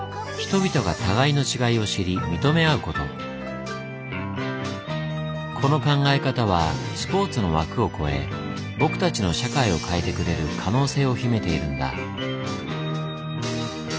それは人々がこの考え方はスポーツの枠を超え僕たちの社会を変えてくれる可能性を秘めているんだ。